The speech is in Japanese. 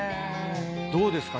どうですか？